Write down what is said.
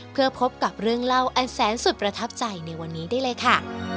เพื่อพบกับเรื่องเล่าอันแสนสุดประทับใจในวันนี้ได้เลยค่ะ